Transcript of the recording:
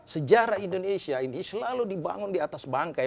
sejarah indonesia ini selalu dibangun di atas bangkai